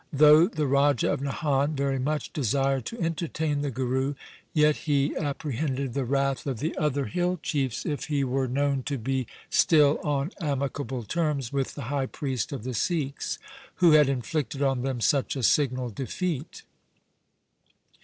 Though the Raja of Nahan very much desired to entertain the Guru, yet he apprehended the wrath of the other hill chiefs if he were known to be still on amicable terms with the high priest of the Sikhs, who had inflicted on them such a signal defeat.